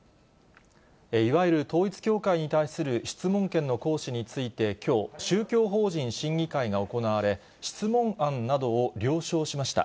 いわゆる統一教会に対する質問権の行使についてきょう、宗教法人審議会が行われ、質問案などを了承しました。